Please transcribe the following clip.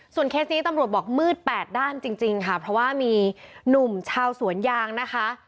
เคสนี้ตำรวจบอกมืดแปดด้านจริงค่ะเพราะว่ามีหนุ่มชาวสวนยางนะคะ